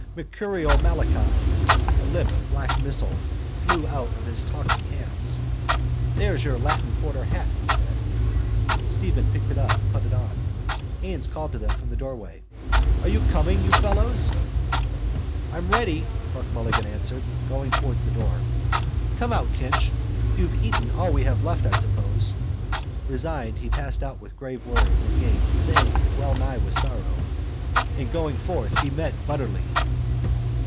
Mercurial Malachi. A limp black missile flew out of his talking hands. —And there's your Latin quarter hat, he said. Stephen picked it up and put it on. Haines called to them from the doorway: —Are you coming, you fellows? —I'm ready, Buck Mulligan answered, going towards the door. Come out, Kinch. You have eaten all we left, I suppose. Resigned he passed out with grave words and gait, saying, wellnigh with sorrow: —And going forth he met Butterly.